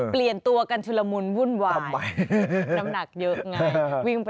เปลี่ยนตัวกันชุลมุนวุ่นวายน้ำหนักเยอะไง